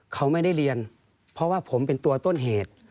เขาไม่ได้เรียนเพราะว่าผมเป็นตัวต้นเหตุ